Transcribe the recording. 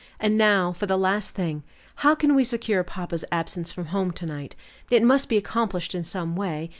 And now for the last thing; how can we secure papa's absence from home to night? It must be accomplished in some way.